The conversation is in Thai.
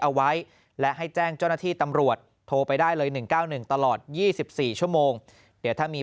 เอาไว้และให้แจ้งเจ้าหน้าที่ตำรวจโทรไปได้เลย๑๙๑ตลอด๒๔ชั่วโมงเดี๋ยวถ้ามี